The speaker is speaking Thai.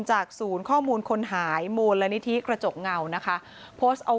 จากศูนย์ข้อมูลคนหายมูลนิธิกระจกเงานะคะโพสต์เอา